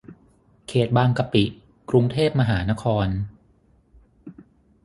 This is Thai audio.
เขตบางกะปิ กรุงเทพมหานคร